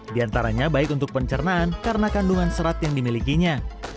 di antaranya baik untuk pencernaan karena kandungan serat yang dimilikinya